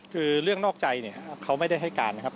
คือเรื่องนอกใจเนี่ยเขาไม่ได้ให้การนะครับ